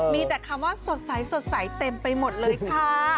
มีแต่คำว่าสดใสเต็มไปหมดเลยค่ะ